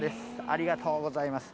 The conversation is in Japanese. ありがとうございます。